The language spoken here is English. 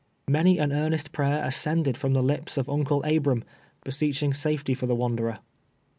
Many an earnest prayer ascended from the lips of Uncle Abram, beseeching safety for the wanderer.